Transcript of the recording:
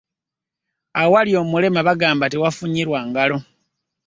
Awali omulema bagamba tewafunyirwa ngalo.